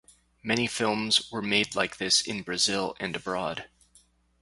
Many films were made like this in Brazil and abroad.